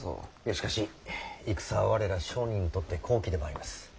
しかし戦は我ら商人にとって好機でもあります。